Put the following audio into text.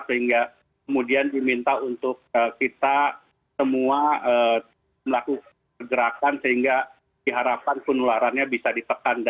sehingga kemudian diminta untuk kita semua melakukan pergerakan sehingga diharapkan penularannya bisa ditekan